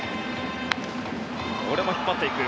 これも引っ張っていく。